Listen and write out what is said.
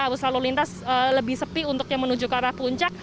arus lalu lintas lebih sepi untuk yang menuju ke arah puncak